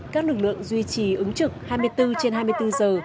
các lực lượng duy trì ứng trực hai mươi bốn trên hai mươi bốn giờ